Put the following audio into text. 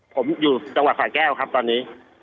ผมอยู่จังหวัดสาแก้วครับตอนนี้